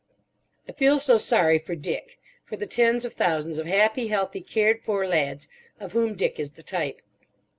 I feel so sorry for Dick—for the tens of thousands of happy, healthy, cared for lads of whom Dick is the type.